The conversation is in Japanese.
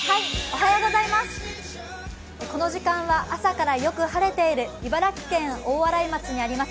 この時間は朝からよく晴れている茨城県大洗町にあります